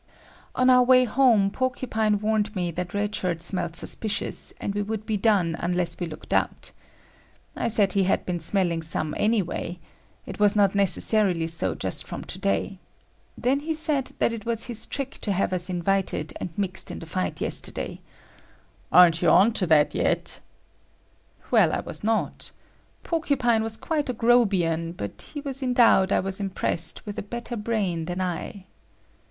On our way home, Porcupine warned me that Red Shirt smelt suspicious, and we would be done unless we looked out. I said he had been smelling some anyway,—it was not necessarily so just from to day. Then he said that it was his trick to have us invited and mixed in the fight yesterday,—"Aren't you on to that yet?" Well, I was not. Porcupine was quite a Grobian but he was endowed, I was impressed, with a better brain than I.